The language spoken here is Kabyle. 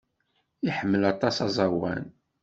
Iḥemmel aṭas aẓawan.